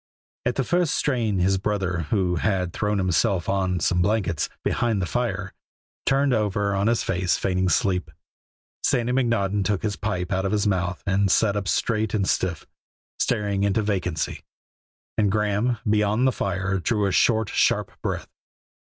At the first strain his brother, who had thrown himself on some blankets behind the fire, turned over on his face feigning sleep. Sandy McNaughton took his pipe out of his mouth and sat up straight and stiff, staring into vacancy, and Graeme, beyond the fire, drew a short, sharp breath.